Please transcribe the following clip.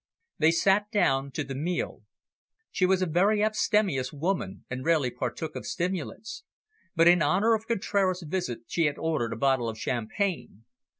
They sat down to the meal. She was a very abstemious woman, and rarely partook of stimulants. But, in honour of Contraras' visit, she had ordered a bottle of champagne.